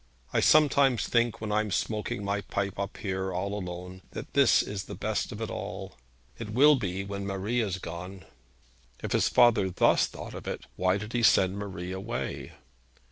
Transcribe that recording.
I sometimes think, when I am smoking a pipe up here all alone, that this is the best of it all; it will be when Marie has gone.' If his father thus thought of it, why did he send Marie away?